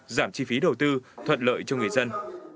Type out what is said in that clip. giảm chi phí đầu tư thuận lợi cho người dân